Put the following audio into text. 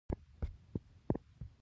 د قبضیت لپاره کوم غوړي وڅښم؟